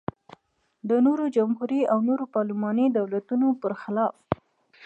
د نورو جمهوري او نورو پارلماني دولتونو پرخلاف.